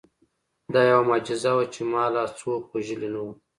دا یوه معجزه وه چې ما لا څوک وژلي نه وو